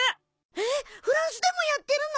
えっフランスでもやってるの？